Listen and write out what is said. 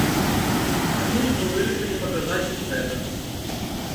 Таму мы вырашылі паказаць ім гэта.